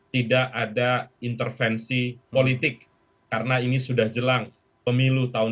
tidak ada intervensi politik karena ini sudah jelang pemilu tahun dua ribu dua puluh